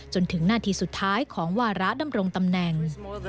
จนถึงหน้าที่สุดท้ายของวาระดำรงตำแหน่ง